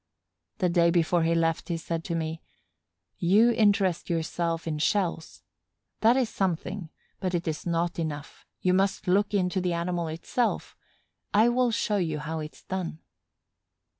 The day before he left he said to me: "You interest yourself in shells. That is something, but it is not enough. You must look into the animal itself. I will show you how it's done."